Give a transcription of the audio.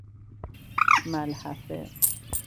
ملحفه